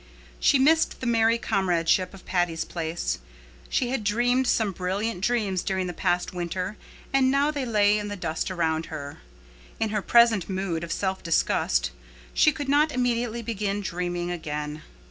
She missed the merry comradeship of Patty's Place. She had dreamed some brilliant dreams during the past winter and now they lay in the dust around her. In her present mood of self disgust, she could not immediately begin dreaming again.